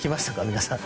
皆さん。